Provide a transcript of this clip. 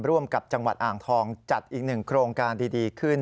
ร่วมกับจังหวัดอ่างทองจัดอีกหนึ่งโครงการดีขึ้น